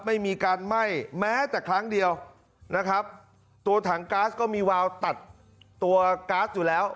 ไม่มีการไหม้แม้แต่ครั้งเดียวนะครับตัวถังก๊าซก็มีวาวตัดตัวก๊าซอยู่แล้ว